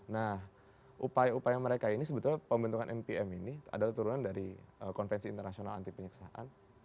nah upaya upaya mereka ini sebetulnya pembentukan npm ini adalah turunan dari konvensi internasional anti penyiksaan